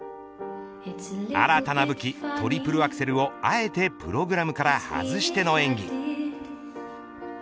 新たな武器トリプルアクセルをあえてプログラムから外しての演技。